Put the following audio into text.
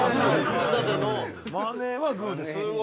「マネーはグーです」